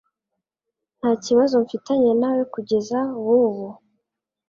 Ntakibazo mfitanye nawe kujyeza bubu